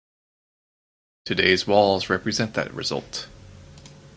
Today’s walls represent that result.